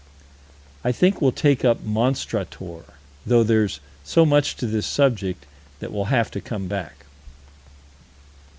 I think we'll take up Monstrator, though there's so much to this subject that we'll have to come back.